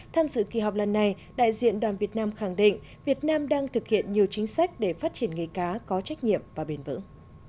tham dự kỳ họp lần này đại diện đoàn việt nam khẳng định việt nam đang thực hiện nhiều chính sách để phát triển nghề cá có trách nhiệm và bền vững